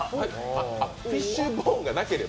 フィッシュボーンがなければ？